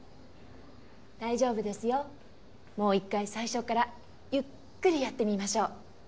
大丈夫ですよもう一回最初からゆっくりやってみましょう。